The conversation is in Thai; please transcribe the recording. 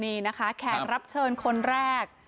นี่นะคะแขกรับเชิญคนแรก